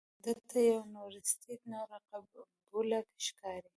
ده ته یونورسټي نوره قبوله ښکاري.